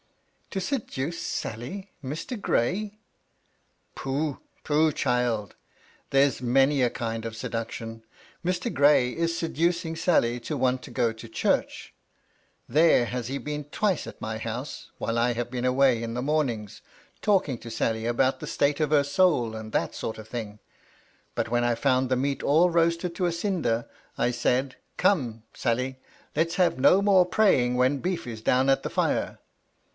"To seduce Sally 1 Mr. Grayl" " Pooh, pooh, child ! There's many a kind of seduc tion. Mr. Gray is seducing Sally to want to go to church. There has he been twice at my house, while I have been away in the mornings, talking to Sally about the state of her soul and that sort of thing. But when I found the meat all roasted to a cinder, I said, ' Come, Sally, let's have no more praying when beef is down at the fire.